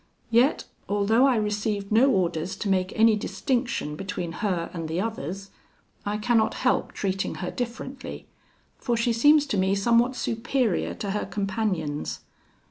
Yet, although I received no orders to make any distinction between her and the others, I cannot help treating her differently, for she seems to me somewhat superior to her companions.